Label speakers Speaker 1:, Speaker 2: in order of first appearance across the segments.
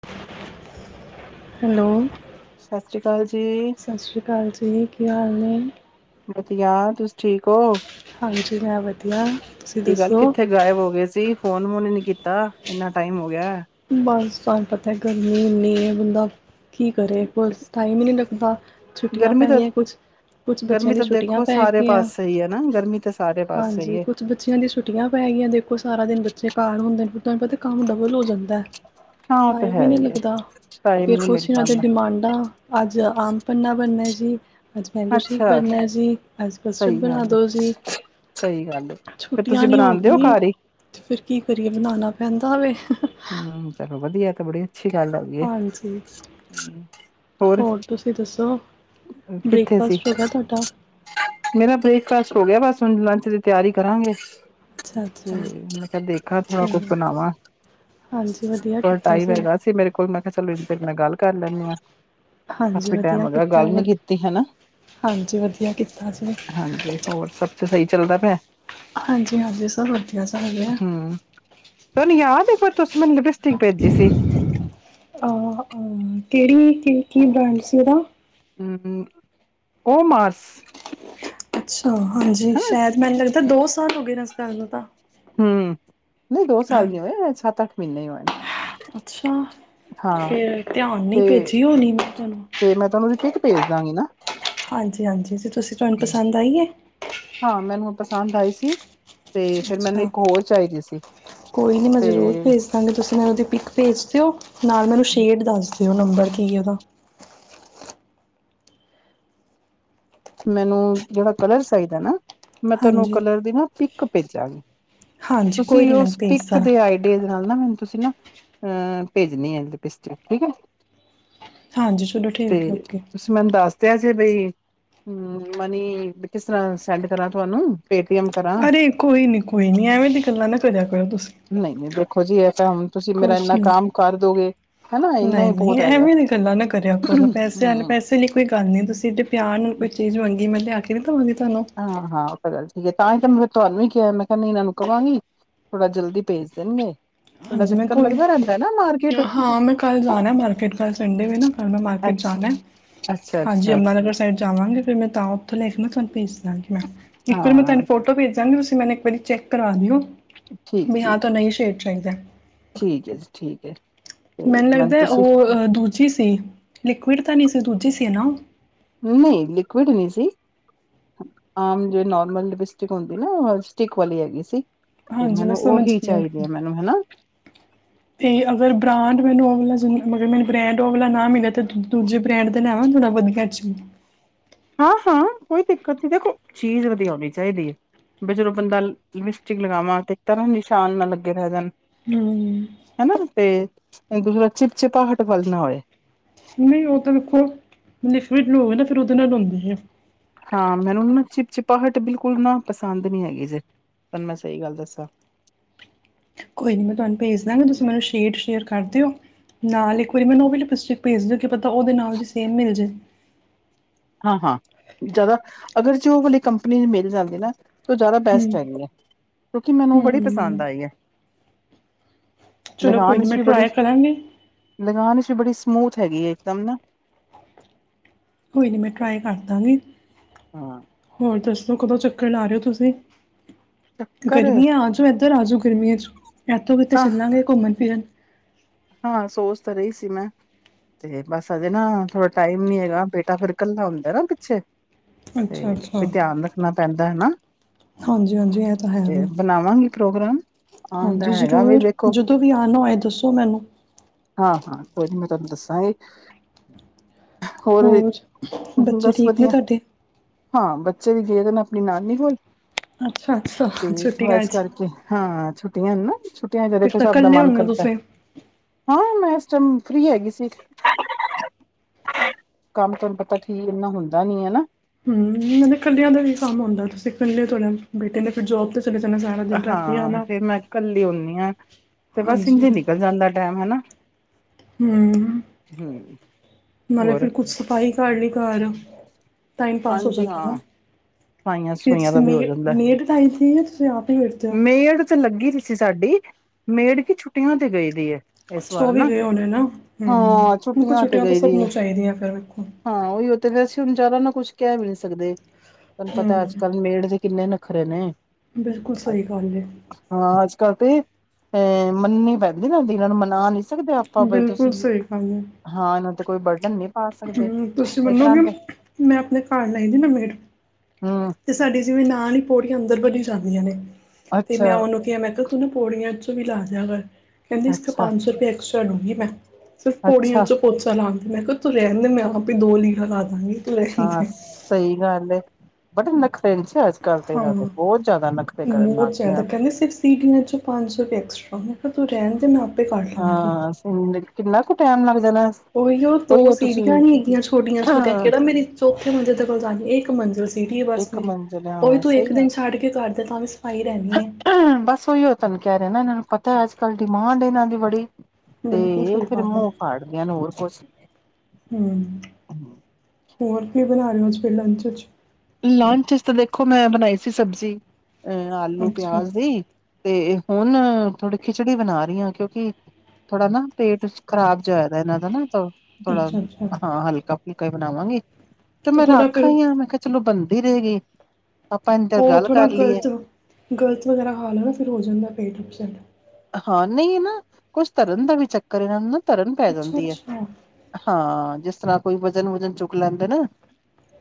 Speaker 1: [inaudible] Hello
Speaker 2: ਸਤਿ ਸ੍ਰੀ ਅਕਾਲ ਜੀ,
Speaker 1: ਸਤਿ ਸ੍ਰੀ ਅਕਾਲ ਜੀ, ਕੀ ਹਾਲ ਨੇ
Speaker 2: ਵਧੀਆ, ਤੁਸੀਂ ਠੀਕ ਹੋ
Speaker 1: ਹਾਂਜੀ ਮੈਂ ਵਧੀਆ, ਤੁਸੀਂ
Speaker 2: ਕੀ ਗੱਲ
Speaker 1: ਦੱਸੋ
Speaker 2: ਕਿੱਥੇ ਗਾਇਬ ਹੋ ਗਏ ਸੀ, ਫੋਨ ਵੋਨ ਨੀ ਕੀਤਾ ਇੰਨਾ ਟਾਈਮ ਹੋ ਗਿਆ
Speaker 1: ਬਸ ਪਤਾ ਹੈ ਗਰਮੀ ਇਨੀ ਹੈ ਬੰਦਾ ਕੀ ਕਰੇ ਕੋ ਟਾਈਮ ਹੀ ਨਹੀਂ ਲੱਗਦਾ ਛੁੱਟੀਆਂ
Speaker 2: ਗਰਮੀ
Speaker 1: ਪੈ
Speaker 2: ਤਾਂ
Speaker 1: ਗਈਆਂ ਕੁਛ ਕੁਛ ਬੱਚਿਆਂ
Speaker 2: ਗਰਮੀ
Speaker 1: ਦੀ
Speaker 2: ਤਾਂ
Speaker 1: ਛੁੱਟੀਆਂ
Speaker 2: ਦੇਖੋ
Speaker 1: ਪੈ
Speaker 2: ਸਾਰੇ
Speaker 1: ਗਈਆਂ,
Speaker 2: ਪਾਸੇ ਹੀ ਹੈ ਨਾ ਗਰਮੀ ਤਾਂ ਸਾਰੇ ਪਾਸੇ ਹੀ
Speaker 1: ਹਾਂਜੀ
Speaker 2: ਹੈ।
Speaker 1: ਕੁਛ ਬੱਚਿਆਂ ਦੀ ਛੁੱਟੀਆਂ ਪੈ ਗਈਆਂ ਦੇਖੋ ਸਾਰਾ ਦਿਨ ਬੱਚੇ ਘਾਲ ਹੁੰਦੇ ਨੇ ਤੁਹਾਨੂੰ ਪਤਾ ਕੰਮ ਡਬਲ ਹੋ ਜਾਂਦਾ ਦਾ
Speaker 2: ਹਾਂ ਉਹ ਤਾਂ
Speaker 1: ਟਾਈਮ ਹੀ
Speaker 2: ਹੈ
Speaker 1: ਨਹੀਂ
Speaker 2: ਹੈ,
Speaker 1: ਲੱਗਦਾ,
Speaker 2: ਟਾਈਮ
Speaker 1: ਫੇਰ
Speaker 2: ਨੀ ਮਿਲ
Speaker 1: ਕੁਛ ਇਹਨਾਂ ਦੇ
Speaker 2: ਪਾਂਦਾ।
Speaker 1: ਡਿਮਾਂਡਾਂ ਅੱਜ ਆਮ ਪੰੰਨਾ ਬਣਨਾ ਜੀ ਅੱਜ ਮੈਂਗੋ ਸ਼ੇਕ
Speaker 2: ਅੱਛਾ
Speaker 1: ਬਣਨਾ ਜੀ ਅੱਜ ਕਸਟਰਡ
Speaker 2: ਸਹੀ
Speaker 1: ਬਣਾ
Speaker 2: ਗੱਲ ਹੈ,
Speaker 1: ਦੋ ਜੀ
Speaker 2: ਸਹੀ ਗੱਲ ਹੈ। ਫਿਰ ਤੁਸੀਂ
Speaker 1: ਛੁੱਟੀਆਂ ਨਹੀਂ ਹੋ
Speaker 2: ਬਣਾਉਂਦੇ
Speaker 1: ਗਈ
Speaker 2: ਘਰ ਹੀ,
Speaker 1: ਤੇ ਫਿਰ ਕੀ ਕਰੀਏ ਬਣਾਉਣਾ ਪੈਂਦਾ ਵੇ
Speaker 2: ਹਮ ਚਲੋ ਵਧੀਆ ਤੇ ਬਡੀ ਅੱਛੀ ਗੱਲ ਹੈਗੀਏ,
Speaker 1: ਹਾਂਜੀ
Speaker 2: ਹੋਰ
Speaker 1: ਤੁਸੀਂ ਦੱਸੋ
Speaker 2: ਕਿੱਥੇ ਸੀ,
Speaker 1: ਬ੍ਰੇਕਫਾਸਟ ਹੋ ਗਿਆ ਤੁਹਾਡਾ
Speaker 2: [inaudible] ਮੇਰਾ ਬ੍ਰੇਕਫਾਸਟ ਹੋ ਬਸ ਹੁਣ ਲੰਚ ਦੀ ਤਿਆਰੀ ਕਰਾਂਗੇ
Speaker 1: ਅੱਛਾ
Speaker 2: ਤੇ
Speaker 1: ਅੱਛਾ
Speaker 2: ਮੈਂ ਕਿਹਾ ਦੇਖਾ ਥੋੜਾ ਕੁਛ
Speaker 1: ਠੀਕ
Speaker 2: ਬਣਾਵਾਂ,
Speaker 1: ਹਾਂਜੀ ਵਧੀਆ
Speaker 2: ਥੋੜਾ
Speaker 1: ਕੀਤਾ
Speaker 2: ਟਾਈਮ
Speaker 1: ਜੀ
Speaker 2: ਹੈਗਾ ਸੀ ਮੇਰੇ ਕੋਲ ਮੈਂ ਕਿਹਾ ਚਲੋ ਗੱਲ ਕਰ ਧੰਨਵਾਦ
Speaker 1: ਹਾਂਜੀ ਵਧੀਆ
Speaker 2: ਕੀਤੀ ਹਨਾ
Speaker 1: ਹਾਂਜੀ ਵਧੀਆ ਕੀਤਾ ਸੀ
Speaker 2: ਹਾਂਜੀ ਹੋਰ ਸਭ ਚ ਸਹੀ ਚੱਲਦਾ ਪਿਆ
Speaker 1: ਹਾਂਜੀ ਹਾਂਜੀ ਸਰ ਵਧੀਆ ਚੱਲ ਰਿਹਾ
Speaker 2: ਹਮ ਤੁਹਾਨੂੰ ਯਾਦ ਤੁਸੀਂ ਮੈਨੂੰ ਲਿਪਸਟਿਕ ਭੇਜੀ ਸੀ
Speaker 1: ਅ ਕਿਹੜੀ ਕੀ ਕੀ ਬ੍ਰਾਂਡ ਸੀ ਉਹਦਾ
Speaker 2: ਹਮ ਓਮਾਸ
Speaker 1: ਹਹ ਹਾਂਜੀ ਸ਼ਾਇਦ ਮੈਨੂੰ ਲੱਗਦਾ ਦੋ ਸਾਲ ਹੋ ਗਏ ਨੇ ਇਸ ਗ ਨੂੰ ਤਾਂ
Speaker 2: ਹਮ ਨਹੀਂ ਦੋ
Speaker 1: ਹਾਂ
Speaker 2: ਸਾਲ ਦੀ ਹੋਵੇਂ ਸੱਤ ਅੱਠ ਮਨੇ ਹੀ ਹੋ
Speaker 1: ਅੱਛਾ ਫਿਰ ਧਿਆਨ ਨਹੀਂ
Speaker 2: ਤੇ
Speaker 1: ਭੇਜੀ ਹੋਣੀੈਂ ਤੁਹਾਨੂੰ
Speaker 2: ਤੇ ਮੈਂ ਤੁਹਾਨੂੰ ਉਹਦੀ ਪਿਕ ਭੇਜ ਦਾਂਗੀ ਨਾ
Speaker 1: ਹਾਂਜੀ ਹਾਂਜੀ ਤੇ ਤੁਸੀਂ ਤੁਹਾਨੂੰ ਪਸੰਦ ਆਈਏ
Speaker 2: ਹਾਂ ਮੈਨੂੰ ਪਸੰਦ ਆਈ ਸੀ ਤੇ ਫਿਰ ਮੈਨੂੰ ਇੱਕ ਹੋਰ ਚਾਹੀਦੀ ਸੀ ਤੇ
Speaker 1: ਅਤੇ ਉਹਦੇ ਪਿੱਿਕ ਭੇਜ ਦਿਓ ਨਾਲ ਮੈਨੂੰ ਸ਼ੇਡ ਦੱਸ ਦਿਓ ਨੰਬਰ ਕੀ ਹੈ ਉਹਦਾ
Speaker 2: ਮੈਨੂੰ ਜਿਹੜਾ ਕਲਰ ਚਾਹੀਦਾ ਨਾ ਮੈਂ ਤੁਹਨੂੰ
Speaker 1: ਹਾਂਜੀ
Speaker 2: ਕਲਰ ਦੀ ਨਾ ਪ ਭੇਜਾਂਗੇ
Speaker 1: ਹਾਂਜੀ ਕੋਈ
Speaker 2: ਤੁਸੀਂ
Speaker 1: ਨਹੀਂ ਮੈਨੂੰ ਭੇਜ
Speaker 2: ਉਸਪਿਕ
Speaker 1: ਦੇਣਾ
Speaker 2: ਦੇ ਆਈਡੀ ਨਾਲ ਨਾ ਮੈਨੂੰ ਤੁਸੀਂ ਨਾ ਅਹ ਭੇਜਣੀ ਹੈ ਕਿਸਤ ਠੀਕ ਹੈ
Speaker 1: ਹਾਂਜੀ ਚਲੋ ਠੀਕ ਹੈ ਓਕੇ
Speaker 2: ਕਿਆਸ ਬਈ ਹਮ ਮਨੀ ਕਿਸ ਤਰ੍ਹਾਂ ਸੈਂਡ ਕਰਾਂ ਤੁਹਾਨੂੰ ਪੇ
Speaker 1: ਅਰੇ ਕੋਈ ਨੀ ਕੋਈ ਨੀ ਐਵੇਂ ਦੀ ਗੱਲਾਂ ਨਾ ਕਰਿਆ ਕਰੋ ਤੁਸੀਂ
Speaker 2: ਖੋ ਜੀਏ
Speaker 1: ਕੁਛ ਨੀ
Speaker 2: ਹਨਾ ਇੰਨਾ
Speaker 1: ਨਹੀਂ
Speaker 2: ਹੀ ਬਹੁਤ
Speaker 1: ਨਹੀਂ
Speaker 2: ਹੈਗਾ
Speaker 1: ਐਵੇਂ ਦੀ ਗੱਲਾਂ ਨਾ ਕਰਿਆ ਕੋਲ ਪੈਸੇ ਵਾਲੇ
Speaker 2: ਹਮ
Speaker 1: ਪੈਸੇ ਲਈ ਕੋਈ ਗੱਲ ਨਹੀਂੀ ਤੁਸੀਂ ਇਡੇ ਪਿਆਰ ਨੂੰ ਚੀਜ਼ ਵੰਗੀ ਮਤਬ ਆ ਕੇ ਤਾਂ ਤੁਹਾਨੂੰ
Speaker 2: ਚੱਲ ਠੀਕ ਹੈ ਤਾਂ ਹੀ ਤਾਂ ਮੈਂ ਤੁਹਾਨੂੰ ਵੀ ਕਿਹਾ ਮੈਂ ਕਹਦੀ ਇਹਨਾਂ ਨੂੰ ਕਹਾਂਗੀ ਥੋੜਾ ਜਲਦੀ ਭੇਜ ਦੇਣਗੇ ਥੋੜਾ
Speaker 1: ਹਾਂਜੀ ਮੈਂ
Speaker 2: ਚੱਕਰ
Speaker 1: ਕੋਲ
Speaker 2: ਲੱਗਦਾ ਰਹਿੰਦਾ ਨਾ ਮਾਰਕੀਟ
Speaker 1: ਹਾਂ ਮੈਂ ਕੱਲ੍ਹ ਜਾਣਾ ਮਾਰਕੀਟ ਕੱਲ੍ਹ ਸੰਡੇ ਹੋ ਨਾ ਕੱਲ੍ਹ ਮੈਂ ਮਾਰਕੀਟ
Speaker 2: ਅੱਛਾ
Speaker 1: ਜਾਣਾ
Speaker 2: ਅੱਛਾ
Speaker 1: ਹਾਂਜੀ
Speaker 2: ਅੱਛਾ
Speaker 1: ਅੰਮਰਨਗਰ ਸਾਈਡ ਜਾਵਾਂਗੇ ਫਿਰ ਮੈਂ ਤਾਂ ਤੁ ਲੈਖ ਮੈਂਥਨ ਪੀਸ ਾਂ ਮ ਇੱਕ ਵਾਰੀ ਮੈਂ
Speaker 2: ਹਾਂ
Speaker 1: ਤੁਹਾਨੂੰ ਫੋਟੋ ਭੇਜ ਦਾਂਗੀ ਤੁਸੀਂ ਮੈਨੂੰ ਇੱਕ ਵਾਰੀ ਚੈੱਕ ਕਰਾ ਦਿਓ।
Speaker 2: ਠੀਕ ਠੀਕ
Speaker 1: [unintelligible] [unintelligible]
Speaker 2: ਠੀਕ ਹੈ ਜੀ ਠੀਕ ਹੈ। ਤੇ
Speaker 1: ਮੈਨੂੰ ਲੱਗਦਾ
Speaker 2: ਤੁਸੀਂ
Speaker 1: ਉਹਹ ਦੂਜੀ ਸੀ ਲਿਕਵਿਡ ਤਾਂ ਨਹੀਂ ਸੀ ਦੂਜੀ ਸੀ ਨਾ।
Speaker 2: ਨਹੀਂ ਲਿਕੁਇਡ ਨਹੀਂ ਸੀ, ਆਮ ਜਿਹੇ ਨਾਰਮਲ ਲਿਪਸਟਿਕ ਹੁੰਦੀ ਨਾ ਸਟੀਕ ਵਾਲੀ ਹੈਗੀ ਸੀ। ਤੇ
Speaker 1: ਹਾਂਜੀ ਮੈਂ
Speaker 2: ਮੈਨੂੰ
Speaker 1: ਸਮਝ
Speaker 2: ਉਹੀ
Speaker 1: ਗਈ ਹ
Speaker 2: ਚਾਹੀਦੀ ਹੈ ਮੈਨੂੰ ਹਨਾ
Speaker 1: ਤੇ ਅਗਰ ਬ੍ਰਾਂਡ ਮੈਨੂੰ ਅਗਲਾ ਮਗਰ ਮੈਨੂੰ ਬ੍ਰੈਂਡ ਊ ਵਾਲਾ ਨਾ ਮਿਲਿਆ ਤੇ ਦੂਜੇ ਬ੍ਰੈਂਡ ਦੇ ਲੇ ਆਵਾ ਥੋੜਾ ਵਧਆ ਚ
Speaker 2: ਹਾਂ ਹਾਂ ਕੋਈ ਦਿੱਕਤ ਨਹੀਂ ਦੇਖੋ ਚੀਜ਼ ਵਧੀਆ ਹੋਣੀ ਚਾਹੀਦੀ ਹ ਵੀ ਜਦੋਂ ਬੰਦਾ ਲਿਪਸਟਿਕ ਲਗਾਵਾਂ ਤੇ ਇਸ ਨਿਸ਼ਾਨ ਨਾ ਲੱਗੇ ਰਹਿ ਜਾਣ। ਹੈਨਾ ਤੇ [unintelligible] ਚਿਪਚਿੱਪਾਹਤ ਵਾਲੀ ਨਾ ਹੋਵੇ।
Speaker 1: ਨਹੀਂ ਉਹ ਤਾਂ ਦੇਖੋ ਲਿਕੁਡ ਲਉਗੇ ਨਾ ਫਿਰ ਉਹਦੇ ਨਾਲ ਹੁੰਦੀ ਹੈ।
Speaker 2: ਹਾਂ ਮੈਨੂੰ ਨਾ ਚਿਪਚਿਪਾਹਟ ਬਿਲਕੁਲ ਨਾ ਪਸੰਦ ਨੀ ਹੈਗੀ ਜੇ ਤੁਹਾਨੂੰ ਮੈਂ ਸਹੀ ਗੱਲ ਦੱਸਾਂ।
Speaker 1: ਕੋਈ ਨਹੀਂ ਮੈਂ ਤੁਹਾਨੂੰ ਭੇਜ ਦਾਂਗਾ ਤੁਸੀਂ ਮੈਨੂੰ ਸ਼ੇਡ ਸ਼ੇਅਰ ਕਰ ਦਿਓ ਨਾਲ ਇੱਕ ਵਾਰੀ ਮੈਨੂੰ ਉਹ ਵੀ ਲਿਪਸਟਿਕ ਭੇਜ ਦਿਓ ਕਿ ਪਤਾ ਉਹਦੇ ਨਾਲ ਦੀ ਸੇਮ ਮਿਲ ਜਾਏ।
Speaker 2: ਹਾਂ ਹਾਂ ਜ਼ਿਆਦਾ ਅਗਰ ਜੇ ਉਹ ਵਾਲੀ ਕੰਪਨੀ ਦੀ ਮਿਲ ਜਾਂਦੀ ਨਾ। ਤੋਂ ਜ਼ਿਆਦਾ
Speaker 1: ਹਮ
Speaker 2: ਬੈਸਟ ਹੈਗੀ ਹੈ ਕਿਉਂਕਿ ਮੈਨੂੰ ਊ ਬੜੀ
Speaker 1: ਹਮ
Speaker 2: ਪਸੰਦ ਆਈ ਹੈ।
Speaker 1: ਚਲੋ ਕੋਈ ਨੀ ਮੈਂ ਟਰਾਈ ਕਰਾਂਗੀ।
Speaker 2: ਲਗਾਨ ਚ ਵੀ ਬੜੀ ਸਮੂਥ ਹੈਗੀ ਹੈ ਇੱਕਦਮ ਨਾ।
Speaker 1: ਕੋਈ ਨੀ ਮੈਂ ਟਰਾਈ ਕਰ ਦਾਂਗੀ।
Speaker 2: ਹਾਂ
Speaker 1: ਹੋਰ ਦੱਸ ਕਦੋਂ ਚੱਕਰ ਲਾ ਰਹੇ ਹੋ ਤੁਸੀਂ
Speaker 2: ਚੱਕਰ
Speaker 1: ਗਰਮੀ ਆ ਆਜੋ, ਇੱਧਰ ਆ ਜੋ। ਗਰਮੀਆਂ ਚ ਇੱਥੋਂ ਕਿਤੇ
Speaker 2: ਆਹ
Speaker 1: ਚੱਲਾਂਗੇ ਘੁੰਮਣ ਫਿਰਨ।
Speaker 2: ਹਾਂ ਸੋਚ ਤਾਂ ਰਹੀ ਸੀ ਮੈਂ ਤੇ ਬਸ ਹਜੇ ਨਾ ਥੋੜਾ ਟਾਈਮ ਨੀ ਹੈਗਾ ਬੇਟਾ ਫੇਰ ਕੱਲਾ ਹੁੰਦਾ ਨਾ ਪਿੱਛੇ ਤੇ
Speaker 1: ਅੱਛਾ ਅੱਛਾ
Speaker 2: ਵੀ ਧਿਆਨ ਰੱਖਣਾ ਪੈਂਦਾ। [unintelligible]
Speaker 1: ਹਾਂਜੀ। ਹਾਂਜੀ। ਇਹ ਤਾਂ ਹੈ
Speaker 2: ਤੇ
Speaker 1: ਵੇ,
Speaker 2: ਬਣਾਵਾਂਗੀ ਪ੍ਰੋਗਰਾਮ ਆਉਣ ਦਾ
Speaker 1: ਹਾਂਜੀ ਜ਼ਰੂਰ ਜਦੋਂ ਵੀ ਆਨਾ ਹੋਏ ਦੱਸੋ। ਮੈਨੂੰ
Speaker 2: ਹਾਂ-ਹਾਂ ਕੋਈ ਦੱਸਾਂਗੀ
Speaker 1: ਹੋਰ ਬੱਚੇ
Speaker 2: ਬਸ
Speaker 1: ਠੀਕ ਨੇ
Speaker 2: ਵਧੀਆ
Speaker 1: ਤੁਹਾਡੇ?
Speaker 2: ਹਾਂ ਬੱਚੇ ਵੀ ਗਏਦੇ ਨੇ ਆਪਣੀ ਨਾਨੀ ਕੋਲ।
Speaker 1: ਅੱਛਾ-ਅੱਛਾ
Speaker 2: ਤੇ ਥੋੜਾ
Speaker 1: ਛੁੱਟੀਆਂ
Speaker 2: ਇਸ
Speaker 1: ਚ
Speaker 2: ਕਰਕੇ ਹਾਂ ਛੁੱਟੀਆਂ ਹਨ ਨਾੱ
Speaker 1: ਫਿਰ ਤਾਂ ਇਕੱਲੇ ਹੋਂਣੇ ਤੁਸੀਂ
Speaker 2: ਹਾਂ ਮੈਂ ਇਸ ਟਾਈਮ ਫ੍ਰਰੀ ਹੈਗੀ ਸੀ, ਕੰਮ ਤੁਹਾਨੂੰ ਪਤਾ ਠੀਕ ਇਨਾ ਹੁੰਦਾ ਨੀ ਹੈਨਾ
Speaker 1: ਹਮ ਮ ਇਕੱਲਿਆਂ ਦਾ ਵੀ ਕੰਮ ਹੁੰਦਾ ਤੁਸੀ ਇਕੱਲੇ ਤੁੜ ਬੇਟੇ ਨੇ ਫਿਰ ਜੋਬ ਤੇ ਚਲੇ ਜਾਣਾ ਸਾਰਾ ਦਿਨ ਰਾਤੀ
Speaker 2: ਹਾਂ
Speaker 1: ਆਣਾ
Speaker 2: ਤੇ ਮੈਂ ਕੱਲੀ ਹੋਣੀ ਹਾਂ ਤੇ ਬਸ ਇੰਝੇ ਨਿਕਲ ਜਾਂਦਾ ਟਾਈਮ ਹਨਾ
Speaker 1: ਹਮ
Speaker 2: ਹਮ
Speaker 1: ਮਤਲਬ
Speaker 2: ਹੋਰ
Speaker 1: ਫਿਰ ਕੁੱਛ ਸਫ਼ਾਈ ਕਰ ਲਈ ਘਰ ਟਾਈਮ ਪਾਸ ਹੋ
Speaker 2: ਹਾਂਜੀ
Speaker 1: ਜਾਂਦਾ
Speaker 2: ਹਾਂ ਸਫਾਈਆਂ
Speaker 1: ਜੇ
Speaker 2: ਸਫੂਈਆਂ ਦਾ
Speaker 1: ਤੁਸੀਂ
Speaker 2: ਵੀ ਹੋ
Speaker 1: ਮੇ
Speaker 2: ਜਾਂਦਾ
Speaker 1: ਮੇਠ ਟਾਈ ਤੂਸੀਂ ਆਪ ਹੀ ਕਰਦੇ ਹੋ
Speaker 2: ਮੇੜ ਤੇ ਲੱਗੀ ਦੀ ਸੀ ਸਾਡੀ ਮੇੜ ਕਿ ਛੁੱਟੀਆਂ ਤੇ ਗਏ ਦੀ ਹੈ ਇਸ
Speaker 1: ਅੱਛਾ ਉਹ
Speaker 2: ਵਾਰ
Speaker 1: ਵੀ
Speaker 2: ਨਾ
Speaker 1: ਗਏ ਹੋਣੇ ਨਾ ਹਮ
Speaker 2: ਹਾਂ
Speaker 1: ਮੇ ਕੋੋ
Speaker 2: ਤੇ
Speaker 1: ਛੁੱਟੀਆਂ ਤਾਂ
Speaker 2: ਗਈ
Speaker 1: ਸਭ
Speaker 2: ਦੀ ਹੈ
Speaker 1: ਨੂੰ ਚਾਹੀਦੀਆਂ ਫਿਰ ਵੇਖੋ
Speaker 2: ਵਿਚਾਰਾ ਨਾ ਕੁਝ ਕਹਿ ਵੀ ਨਹੀਂ‌ ਸਕਦੇ ਤੁਹਾਨੂੰ ਪਤਾ
Speaker 1: ਹੂੰ,
Speaker 2: ਅੱਜ ਕੱਲ੍ਹ ਮੇੜ ਦੇ ਕਿੰਨੇ ਨੱਖਰੇ ਨੇ
Speaker 1: ਬਿਲਕੁਲ ਸਹੀ ਗੱਲ ਏ।
Speaker 2: ਕਰ ਤੇ ਅਹ ਮੰਨਨੀ ਪੈਂਦੇ ਨਾ ਜਿਹਨਾਂ ਨੂੰ ਮਨਾ ਨੀ ਸਕਦੇ ਆਪਾਂ ਬਈ
Speaker 1: ਬਿਲਕੁਲ
Speaker 2: ਤੁਸੀਂ,
Speaker 1: ਸਹੀ
Speaker 2: ਹਾਂ ਤੇ ਕੋਈ ਬਰਡਨ ਨੀਂ
Speaker 1: ਹਮ ਤੁਸੀਂ ਮੰਨੋਗੇ ਮੈਂ ਆਪਣੇ ਘਰ ਲਾਈਦੀ ਨਾ ਮੈਡ
Speaker 2: ਹਮ
Speaker 1: ਤੇ ਸਾਡੀ ਜਿਵੇਂ ਨਾਲ ਨ ਪੌੜੀ ਅੰਦਰ ਬਣੀ ਜਾਂਦੀਆਂ ਨੇ ਤੇ
Speaker 2: ਅੱਛਾ,
Speaker 1: ਮੈਂ ਉਹਨੂੰ ਕਿਹਾ ਮੈਂ ਕਿਹਾ ਤੂੰ ਨਾ ਪੌੜੀਆਂ ਚ ਵੀ ਲਾ ਦਿਆਂ ਕਰ ਕਹਦੀ ਇਸਕੇ
Speaker 2: ਅੱਛਾ,
Speaker 1: ਪੰਜ ਸੌ ਰੁਏ ਐਕਸਟਰਾ ਲੂੰ ਵੀ ਵੱ ਸਿਰਫ ਪੌੜੀਆਂ
Speaker 2: ਅੱਛਾ
Speaker 1: ਚੋਂ ਪੋਚਾ ਲਾਨ ਮੈਂ ਕਿਹਾ ਤੂੰ ਰਹਿੰਦੇ ਮੈਂ ਆਪ ਹੀ ਦੋ ਲੀੜਾ ਖਾ
Speaker 2: ਹਾਂ ਸਹੀ ਗੱਲ ਏ ਬਟਨ ਨਖਰੇ ਚ
Speaker 1: ਹਾਂ ਬਹੁਤ
Speaker 2: ਲੱਗ ਗਏ
Speaker 1: ਜ਼ਿਆਦਾ
Speaker 2: ਹਨ।
Speaker 1: ਕਹਿੰਦੇ ਸਿਰਫ ਸਿੜੀਆਂ ਚੋਂ ਪੰਜ ਸੌ ਰੁਪ ਐਕਸਟਰਾ ਤੂੰ ਰਹਿਣ ਦੇ ਮੈਂ ਆਪ
Speaker 2: ਹਾਂ ਸ ਕਿੰਨਾ ਟੈਮ ਲਗਦਾ
Speaker 1: ਉਹੀ ਉਹ ਦੋ ਸੀੜੀਆਂ ਹੀਂ ਹੈਗੀਆਂ ਛੋਟੀਆਂ ਛੋਟੀਆਂ ਕਿਹੜਾ ਮੇਰੀ ਚੌਥੇ ਮੰਜੇ ਦੇ ਕੋਲ ਜਾ ਗਈ ਇੱਕ ਮੰਜੇ
Speaker 2: ਇੱਕ ਮੰਜ਼ਿਲ ਹੈ, ਹਾਂ ਸਹੀ
Speaker 1: ਦਿਨ
Speaker 2: ਗੱਲ
Speaker 1: ਛੱਡ ਕੇ ਕਰ ਦੇ ਤਾਂ ਵੀ ਸਫਾਈ ਰਹਿਣੀ ਹੈ
Speaker 2: ਬਸ ਉਹੀਓ ਤੁੈਨੂੰ ਕਹਿ ਰਿਹੇ ਨਾ ਇਹਨਾਂ ਨੂੰ ਪਤਾ ਅੱਜ ਕੱਲ ਡਿਮਾਂਡ ਇਹਨਾਂ ਦੀ ਬੜੀ
Speaker 1: ਬਿਲਕੁਲ
Speaker 2: ਤੇ
Speaker 1: ਸਹੀ
Speaker 2: ਫਿਰ
Speaker 1: ਗੱਲ ਹੈ
Speaker 2: ਮੂੰਹ ਫਾੜ ਦੀਆਂ, ਹੋਰ ਕੁਛ ਨ
Speaker 1: ਹਮ ਹੋਰ ਕੀ ਬਣਾ ਰਹੇ ਹੋਜ ਫਿਰ ਲੰਚ ਚ
Speaker 2: ਲੰਚ ਵਿੱਚ ਤਾਂ ਦੇਖੋ ਮੈਂ ਬਣਾਈ ਸੀ ਸਬਜ਼ੀ ਅ ਆਲੂ
Speaker 1: ਅੱਛਾ
Speaker 2: ਪਿਆਜ ਦੀ ਤੇ ਹੁਣ ਥੋੜੀ ਖਿਚੜੀ ਬਣਾ ਰਹੀ ਹਾਂ ਕਿਉਂਕਿ ਥੋੜਾ ਨਾ ਪੇਟ ਖ਼ਰਾਬ ਜਾਇਦਾ ਇਹਨਾਂ ਦਾ ਨਾ ਥੋੜਾ
Speaker 1: ਅੱਛਾ ਅੱਛਾ
Speaker 2: ਹਾਂ ਹਲਕਾ ਕੋਈ ਬਣਾਵਾਂਗੇ ਤੇ ਮੈਂ
Speaker 1: ਥੋੜ੍ਹਾ ਫਿਰ
Speaker 2: ਰਾਖਾਂ ਹੀ ਆ ਮੈਂ ਕਿਹਾ ਬਣਦੀ ਰਹੇ ਗਈ
Speaker 1: ਉਹ ਥੋੜ੍ਹਾ ਗ਼ਲਤ ਗ਼ਲਤ ਵਗੈਰਾ ਹਾਲ ਨਾ ਫਿਰ ਹੋ ਜਾਂਦਾੇ
Speaker 2: ਹਾਂ ਨਹੀਂ ਨਾ ਕੁਛ ਧਰਨ ਦਾ ਵੀ ਚੱਕਰ ਹੈਨਾਂ ਨਾ ਤਰਨ ਪੈ
Speaker 1: ਅੱਛਾ
Speaker 2: ਜਾਂਦੀ ਹੈ
Speaker 1: ਅੱਛਾ
Speaker 2: ਹਾਂ ਜਿਸ ਤਰ੍ਹਾਂ ਕੋਈ ਵਜਨ ਵਜਨ ਚੁੱਕ ਲੈਂਦੇ ਨਾ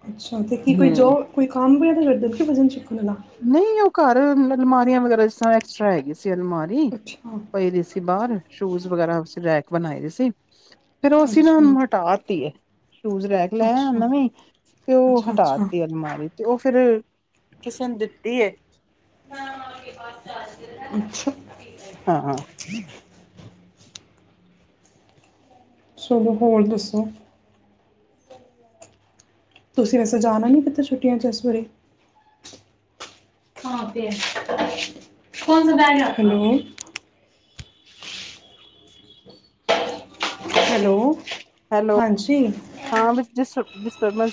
Speaker 1: ਅੱਛਾ ਤੇ ਕੀ ਕੋਈ
Speaker 2: ਹਮ
Speaker 1: ਜੋਬ ਕੋਈ ਕੰਮ ਵੀਦ ਕੇ ਵਜ਼ਨ ਚੱਕਣ ਦਾ
Speaker 2: ਨਹੀਂ ਉਹ ਘਰ ਅਲਮਾਰੀਆਂ ਵਗੈਰਾ ਐਕਸਟਰਾ ਹੈਗੀ ਸੀ ਅਲਮਾਰੀ
Speaker 1: ਅੱਛਾ
Speaker 2: ਪਈ ਰ ਸੀ ਬਾਹਰ ਸ਼ੂਜ ਵਗੈਰਾ ਰੈ ਕੇ ਬਣਾਏ ਦੀ ਸੀ ਫੇਿਰ ਉਹਸੀਂ ਨਾ
Speaker 1: ਅੱਛਾ
Speaker 2: ਹਟਾ ਦਿੱਤੀਏ ਸ਼ੂਜ ਰਹਿ ਕੇ
Speaker 1: ਅੱਛਾ
Speaker 2: ਲੈਆ ਨਵੀ
Speaker 1: ਅੱਛਾ
Speaker 2: ਤੇ ਉਹ
Speaker 1: ਅੱਛਾ
Speaker 2: ਹਟਾਤੀ ਅਲਮਾਰੀ ਤੇ ਉਹ ਫੇਿਰ ਕਿਸੇ ਨੇ ਦਿੱਤੀ ਹੈ
Speaker 1: ਅੱਛਾ
Speaker 2: ਹਾਂ ਹਾਂ
Speaker 1: ਸਹਾਨੂੰ ਹੋਰ ਦੱਸੋ ਤੁਸੀਂ ਵੈ ਸ ਜਾਣਾ ਨੀ ਕਿਤੇ ਛੁੱਟੀਆਂ ਚ ਇਸ ਬਾਰੇ ਹੈਲੋ
Speaker 2: ਹੈਲੋ
Speaker 1: ਹਾਂਜੀ
Speaker 2: ਹਾਂ ਵਿੱਚ ਜਿਸ ਬਿਸਪਰ ਮ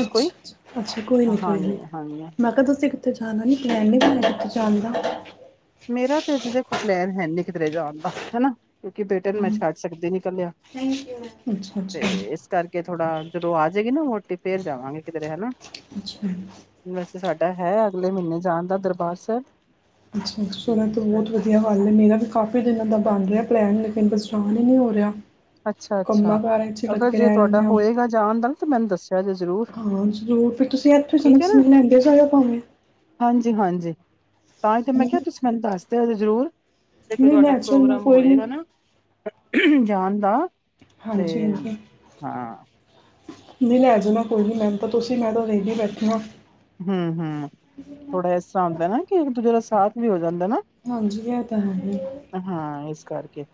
Speaker 1: ਅੱਛਾੱ ਅੱਛਾ ਕੋਈ ਨੀ ਕੋਈ
Speaker 2: ਹਾਂਜੀ
Speaker 1: ਨੀ
Speaker 2: ਹਾਂਜੀ
Speaker 1: ਮੈਂ
Speaker 2: ਹਾਂਜੀ,
Speaker 1: ਕਿਹਾ ਤੁਸੀਂ ਇੱਕ ਉੱਥੇ ਜਾਣਾ ਨ ਦਰੈਣੇ ਬ ਉੱਥਤੇ ਜਾਣ ਦਾ
Speaker 2: ਮੇਰਾ ਤੇ ਅਜੇ ਤ ਕੋ ਪਲੈਨ ਹੈ ਨ ਕਿਧਰੇ ਜਾਣ ਦਾ ਹਨਾ ਕਿਉਂਕਿ ਬੇਟੇ ਨੂੰ ਮੈਂ
Speaker 1: ਹਮ,
Speaker 2: ਛੱਡ ਸਕਦੀ ਨਿਕਲਿਆ
Speaker 1: ਅੱਛਾ
Speaker 2: ਤੇ
Speaker 1: ਅੱਛਾ
Speaker 2: ਇਸ ਕਰਕੇ ਥੋੜ੍ਹਾ ਜਦੋਂ ਆ ਜਾਵੇਗੀ ਨਾ ਉਹਟੀ ਫੇਰ ਜਾਵਾਂਗੇ ਕਿਧਰੇ ਹਨਾ
Speaker 1: ਅੱਛ
Speaker 2: ਵੈਸੇ ਸਾਡਾ ਹੈ ਅਗਲੇ ਮਹੀਨੇ ਜਾਣ ਦਾ ਦਰਬਸ
Speaker 1: ਅੱਛਾ ਸੋ ਤੋਂ ਬਹੁਤ ਵਧੀਆ ਗੱਲ ਹੈ ਮੇਰਾ ਵੀ ਕਾਫੀ ਦਿਨਾਂ ਦਾ ਬਣ ਰਿਹਾ ਪਲੈਣ ਲੇਕਿਨ ਪਰੇਸ਼ਾਨ ਹ ਨਹੀਂ ਹੋ ਰਿਹਾ
Speaker 2: ਅੱਛਾ
Speaker 1: ਕੰਮਾਂ
Speaker 2: ਅੱਛਾ
Speaker 1: ਕਾਰਾਂ 'ਚ ਹੀ
Speaker 2: ਅਗਰ
Speaker 1: ਲੱਗੇ
Speaker 2: ਜੇ
Speaker 1: ਰਹਿ ਜਾਂਦੇ
Speaker 2: ਤੁਹਾਡਾ
Speaker 1: ਹਾਂ
Speaker 2: ਹੋਏਗਾ ਜਾਣ ਦਾ ਨਾ ਤਾਂ ਮੈਨੂੰ ਦੱਸਿਆ ਜੇ ਜ਼ਰੂਰ
Speaker 1: ਹਾਂ ਜ਼ਰੂਰ ਫਿਰ ਤੁਸੀਂ ਇੱਥੇ
Speaker 2: ਠੀਕ
Speaker 1: ਸਮਝ
Speaker 2: ਏ ਨਾ
Speaker 1: ਸਮਝ ਲੈਂਦੇ ਜਾਇਓ ਭਾਵੇਂ
Speaker 2: ਹਾਂਜੀ ਹਾਂਜੀ ਤਾਂ ਹੀ ਤੇ ਮੈਂ ਕਿਹਾ ਤੁਸੀਂ ਮੈਨੂੰ ਦੱਸ ਜ਼ਰੂਰ ਜ ਕੋ
Speaker 1: ਨਹੀਂ
Speaker 2: ਤੁਹਾਡਾ
Speaker 1: ਲੈ ਚੱਲਣਾ
Speaker 2: ਪ੍ਰੋਗਰਾਮ
Speaker 1: ਕੋਈ ਨਹੀਂ
Speaker 2: ਹੋਏਗਾ ਨਾ ਜਾਣ ਦਾ ਤੇ
Speaker 1: ਹਾਂਜੀ ਹਾਂਜੀ
Speaker 2: ਹਾਂ
Speaker 1: ਨਹੀਂ ਲੈ ਜਾਣਾ ਕੋਈ ਨੀ ਮੈਨ ਤਾਂ ਤੁਸੀਂ ਮੈਂ ਤਾਂ ਵੇਲੀ ਬੈਠੀ ਹ
Speaker 2: ਹਮ ਹਮ ਥੋੜਾ ਇਸ ਤਰ੍ਹਾਂ ਹੁੰਦਾ ਨਾ ਕਿ ਇਕ ਦੂਜੇ ਦੇ ਸ ਸਾਥ ਵੀ ਹੋ ਜਾਂਦਾ ਨਾ
Speaker 1: ਹਾਂਜੀ ਇਹ ਤਾਂ ਹੈ ਹੀ।
Speaker 2: ਹਾਂ ਇਸ ਕਰਕੇ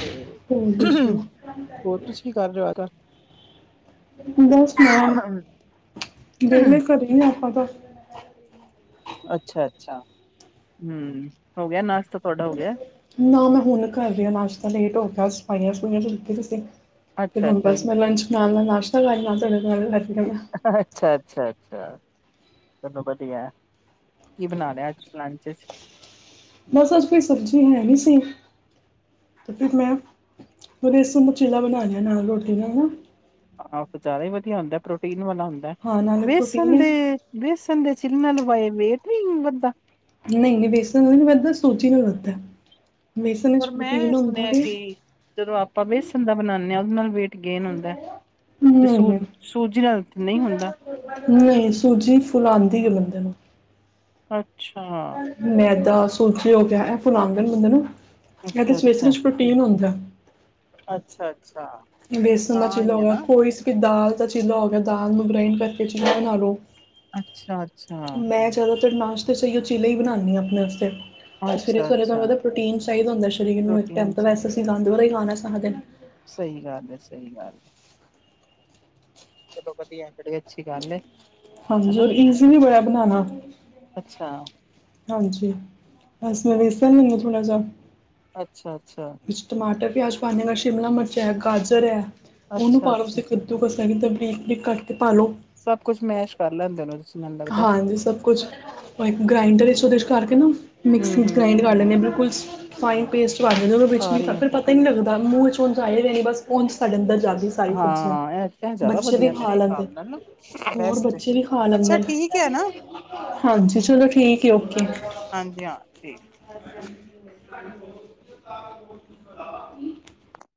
Speaker 2: ਤੇ
Speaker 1: ਹੋਰ ਦੱਸੋ
Speaker 2: ਹੋਰ ਤੁਸੀਂ ਕੀ ਕਰ ਰਓ ਕਰ
Speaker 1: ਬਸ ਮੈਂ ਵਿਹਲੇ ਘਰੇ ਨ ਆਪਾਂ ਤਾਂ [unintelligible]
Speaker 2: ਅੱਛਾ ਅੱਛਾ ਹਮ ਹੋ ਗਿਆ ਨਾਸ਼ਤਾ ਤੁਹਾਡਾ ਹੋ ਗਿਆ
Speaker 1: ਨਾ ਮੈਂ ਹੁਣ ਕਰ ਰਿਹਾ ਨਾਸ਼ ਤਾਂ ਲੇਟ ਹੋ ਗਿਆ ਸਫਾਈਆਂ ਸਫੁਈਆਂ ਲਗੇ ਦੇ ਸੀ ਤੇ ਹੁਣ
Speaker 2: ਅੱਛਾ-ਅੱਛਾ,
Speaker 1: ਬਸ ਮੈਂ ਲੰਚ ਬਣਾ ਲਾਂ ਨਸ਼ਕਾਰ ਮਤ
Speaker 2: ਅੱਛਾ ਅੱਛਾ ਅੱਛਾ ਚਲੋ ਵਧੀਆ ਕੀ ਬਣਾ ਰਿਹਾ ਤੁਸੀਂ ਲੰਚ ਚ
Speaker 1: ਬਸ ਅੱਜ ਕੋਈ ਸਬਜ਼ੀ ਹੈ ਨਹੀਂ ਸੀ ਤੇ ਫਿਰ ਮੈਂਦੇਸ ਨੂੰ ਮਚੀਲਾ ਬਣਾ ਲਿਆ ਨਾਲ ਰੋਟੀ ਨਾਲਾ
Speaker 2: ਆਹੋ ਜ਼ਿਆਦਾ ਹੀ ਵਧੀਆ ਹੁੰਦਾ ਪ੍ਰੋਟੀਨ ਵਾਲਾ ਹੁੰਦਾ
Speaker 1: ਹਾਂ ਨਾਲੇ ਪ੍ਰੋਟੀਨ
Speaker 2: ਬੇਸਣ
Speaker 1: ਹੈ
Speaker 2: ਦੇ ਬੇਸਣ ਦੇ ਚਨਾਂ ਨੂੰ ਬਏ ਵੇਟ ਵਦਾਾਂ
Speaker 1: ਨੀ ਨੀ ਬਸਨ ਨ ਵਧ ਸੂਜੀ ਨਾਲ ਵਧਦਾ
Speaker 2: ਪਰ ਮੈਂ ਸੁਣਿਆ ਕਿ ਜਦੋਂ ਆਪਾਂ ਬੇਸਣ ਦਾ ਬਣਾਉਦੇ ਉਹਦੇ ਨਾਲ ਵੇ ਗੇਨ ਹੁੰਦਾ ਤੇ ਸੂ
Speaker 1: ਹਮ
Speaker 2: ਸੂਜੀ ਨਾਲ ਨਹੀਂ ਹੁੰਦਾ
Speaker 1: ਨਹੀਂ ਸੂਜੀ ਫੁਲਾਂਦੀ ਏ ਬੰਦੇ ਨੂੰ
Speaker 2: ਅੱਛਾ,
Speaker 1: ਮੈਦਾ ਸੂਜੀ ਹੋ ਗਿਆ ਇਹ ਫੁਲਾਂਦੇ ਬੰਦੇ ਨੂੰ ਇਹਦੇ
Speaker 2: ਅੱਛਾ,
Speaker 1: ਸਵੇਸ ਵਿੱਚ ਪ੍ਰੋਟੀਨ ਹੁੰਦਾ
Speaker 2: ਅੱਛਾ
Speaker 1: ਬੇਸਨ ਦਾ
Speaker 2: ਤਾਂ
Speaker 1: ਚਿੱਲਾ
Speaker 2: ਹੀ
Speaker 1: ਹੋ
Speaker 2: ਹੈ
Speaker 1: ਗਿਆ
Speaker 2: ਨਾ।
Speaker 1: ਕੋਈ ਵੀ ਦਾਲ ਦਾ ਚਿੱਲਾ ਹੋ ਗਿਆ ਦ ਆਲੂ ਗ੍ਰਾਇੰਡ ਕਰਕੇ ਛਿਲਾਗੇ ਆਲੂ।
Speaker 2: ਅੱਛਾ ਅੱਛਾ।
Speaker 1: ਫੇਰ ਨਾਸ਼ਤੇ 'ਚ ਐਹੀਔ ਚੀਲੇ ਹੀ ਬਣਾਂਣੀ ਆ ਅਪਨੇ ਅਸਤੇ। ਤੇ ਸਵੇਰੇ ਸਵੇਰੇ ਤਾਨੂੰ
Speaker 2: ਅੱਛਾ-ਅੱਛਾ
Speaker 1: ਪਤੈ ਪ੍ਰੋਟੀਨ ਚਾਈ ਦਾ ਹੁੰਦੈ ਸਰੀਰ ਨੂੰ ਇੱਕ ਟੈਮ
Speaker 2: ਪ੍ਰੋਟੀਨ
Speaker 1: ਤਾਂ ਵੈਸ ਅਸੀਂ ਲਾਣਦੋਰਾ ਈ ਲਾਣੈ। ਅਗਰ
Speaker 2: ਸਈ ਗੱਲ ਏ ਸਈ ਗੱਲ ਏ। ਚਲੋ ਵਧੀਐ।
Speaker 1: ਹਾਂਜੀ, ਈਜ਼ੀਲੀ ਬੜੈ ਬਣਾਣਾ।
Speaker 2: ਅੱਛਾ।
Speaker 1: ਹਾਂਜੀ, ਬਸ ਮੈਂ ਵੇਸਣ ਲੈਂਣੀ ਆ ਥੋੜ੍ਹਾ ਜਾ।
Speaker 2: ਅੱਛ ਛਾ ਅੱਛਾ।
Speaker 1: ਟਮਾਟਰ ਪਿਆਜ਼ ਪਾਉਦੀ ਮੈ ਸ਼ਿਮਲਾ ਮਰਚ ਐ ਗਾਜਰ ਐ। ਔਨੂੰ ਪਾ ਲੋਂ
Speaker 2: ਅੱਛਾ-ਅੱਛਾ।
Speaker 1: ਸੇ ਕੱਦੂ ਕਸ ਐਵੀ ਤ ਰੀਕ ਬਰੀਕ ਕਟ
Speaker 2: ਸਭ ਕੁਛ ਮੈਸ਼ ਕਰ ਲੈਂਦੇ ਨੇ ਔਦੇ ਚ।
Speaker 1: ਹਾਂਜੀ, ਸਭ ਕੁਛ ਔ ਏਕ ਗ੍ਰਾਇੰਡਰ ਚ ਉਹਦੇ ਚ ਕਰਕੇ ਨਾ
Speaker 2: ਹੂੰ
Speaker 1: ਮਿਕਸੀ ਚ
Speaker 2: ਹੂੰ।
Speaker 1: ਗ੍ਰਾਇੰਡ ਕਰ ਲੈਂਦੇ ਆਂ ਬਿਲਕੁਲ ਫਾਈਨ ਪੇਸਟ ਬਾਣ ਜਾਂਦੀ ਔਦੇ ਵਿੱਚ ਨੀ
Speaker 2: ਸਾਰੇ
Speaker 1: ਤਾਂ ਫ ਫੇਰ ਪਤਾ ਈ ਨੀ ਲੱਗਦਾ ਮੂੰਹ ਚ ਪੋਂਚਾਏ ਵੀਨੀ ਬਸ ਪੋਂਚ ਸਾਡੇ ਅੰਦਰ ਜਾਂਦੀ ਸਾਰੀ ਸਬਜ਼ੀਆਂ
Speaker 2: ਹਾਂ, ਐਹ ਜੈਦਾ
Speaker 1: ਬੱਚੇ ਵੀ
Speaker 2: ਵਧੀਐ
Speaker 1: ਖਾ
Speaker 2: ਮੇਰੇ
Speaker 1: ਲੈਂਦੇ
Speaker 2: ਹਿਸਾਬ ਨਾਲ ਨਾ
Speaker 1: ਹੋਰ
Speaker 2: ਬੈਸਟ ਏ।
Speaker 1: ਬੱਚੇ ਵੀ ਖਾ
Speaker 2: ਅੱਛਾ
Speaker 1: ਲੈਂਦੇ ਨੇ
Speaker 2: ਠੀ
Speaker 1: ਹਾਂਜੀ ਚਲੋ ਠੀਕ ਏ ਓਕੇ।
Speaker 2: ਹਾਂਜੀ ਹਾਂ ਠੀਕ।
Speaker 1: [inaudible]